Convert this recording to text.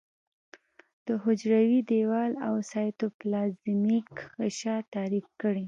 د حجروي دیوال او سایتوپلازمیک غشا تعریف کړي.